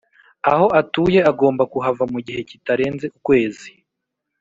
Aho atuye agomba kuhava mu gihe kitarenze ukwezi